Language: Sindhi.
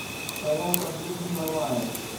شيون تبديل ٿي ويون آهن.